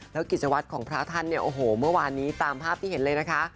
แล้วกิจวัตรของพระท่านเนี่ยโอ้โหเมื่อวานนี้ตามภาพที่เห็นเลยนะคะ